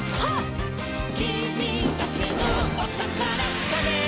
「きみだけのおたからつかめ！」